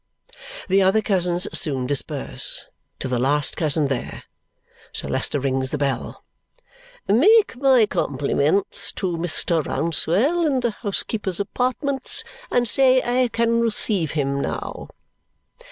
The other cousins soon disperse, to the last cousin there. Sir Leicester rings the bell, "Make my compliments to Mr. Rouncewell, in the housekeeper's apartments, and say I can receive him now."